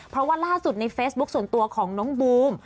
เพราะว่าล่าสุดในเฟซบุ๊คส่วนตัวของน้องบูม